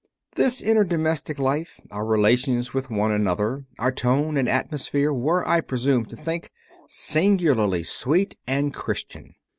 This inner domestic life, our relations with one another, our tone and atmosphere, were, I presume to think, singularly sweet and CONFESSIONS OF A CONVERT 61 Christian.